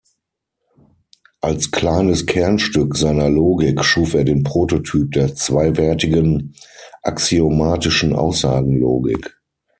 Als kleines Kernstück seiner Logik schuf er den Prototyp der zweiwertigen axiomatischen Aussagenlogik.